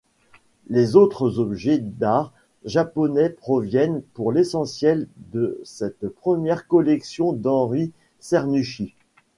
Les autres objets d'art japonais proviennent, pour l'essentiel de cette première collection d'Henri Cernuschi.